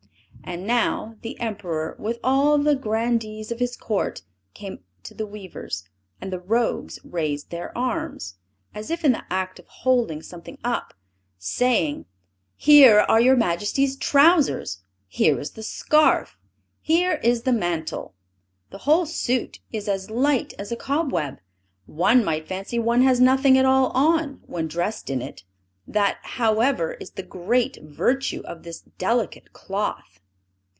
And now the Emperor, with all the grandees of his court, came to the weavers; and the rogues raised their arms, as if in the act of holding something up, saying, "Here are your Majesty's trousers! Here is the scarf! Here is the mantle! The whole suit is as light as a cobweb; one might fancy one has nothing at all on, when dressed in it; that, however, is the great virtue of this delicate cloth."